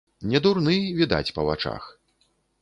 Не дурны, відаць па вачах.